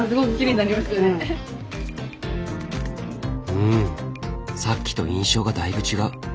うんさっきと印象がだいぶ違う。